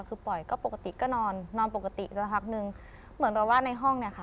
คือปล่อยก็ปกติก็นอนนอนปกติสักพักนึงเหมือนแบบว่าในห้องเนี่ยค่ะ